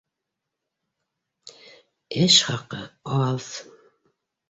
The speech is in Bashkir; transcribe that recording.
Эш хаҡы аҙ